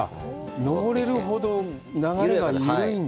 上れるほど流れが緩いんだ？